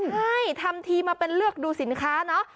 ใช่ทำทีมาเป็นเลือกดูสินค้าเนอะ